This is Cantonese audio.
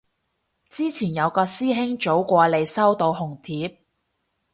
之前有個師兄早過你收到紅帖